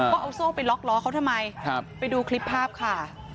ว่าเอาโซ่ไปล็อกล้อเขาทำไมไปดูคลิปภาพค่ะ